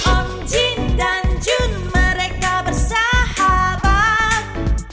om jin dan jun mereka bersahabat